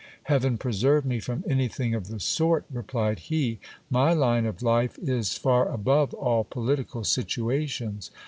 Heaven preserve me from anything of the sort ! replied he. My ine of life is far above all political situations.